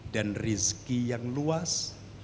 dan rezeki yang luas